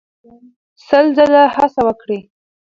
سل ځله هڅه وکړئ.